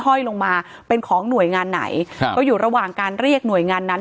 ห้อยลงมาเป็นของหน่วยงานไหนครับก็อยู่ระหว่างการเรียกหน่วยงานนั้น